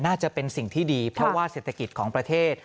น่าจะเป็นสิ่งที่ดีเพราะว่าเศรษฐกิจของประเทศ